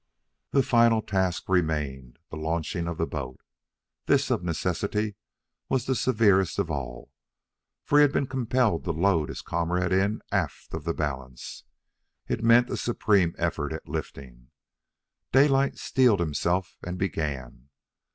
The final task remained the launching of the boat. This, of necessity, was the severest of all, for he had been compelled to load his comrade in aft of the balance. It meant a supreme effort at lifting. Daylight steeled himself and began.